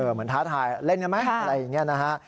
ท้าทายเล่นกันไหมอะไรอย่างนี้นะฮะ